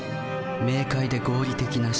明快で合理的な思考。